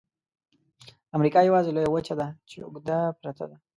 امریکا یوازني لویه وچه ده چې اوږده پرته ده.